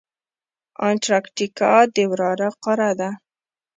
انټارکټیکا د واورو قاره ده.